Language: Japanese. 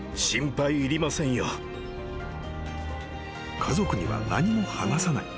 ［家族には何も話さない。